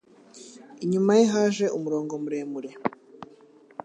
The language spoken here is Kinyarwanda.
Inyuma ye haje umurongo muremure